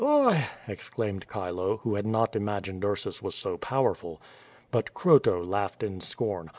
'' "Oi" exclaimed Chilo, who had not imagined Ursus was so powerful. But Croto laughed in scorn.